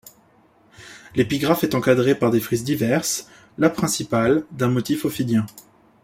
L'épigraphe est encadrée par des frises diverses, la principale d'un motif ophidien.